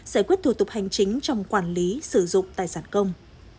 giải quyết thủ tục hành chính trong quản lý sử dụng tài sản công